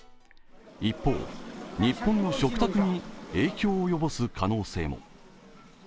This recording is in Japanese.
一方、日本の食卓に影響を及ぼす可能性も。